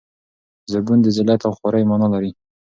زبون د ذلت او خوارۍ مانا لري.